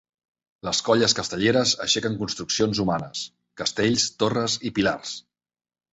Les colles castelleres aixequen construccions humanes: castells, torres i pilars.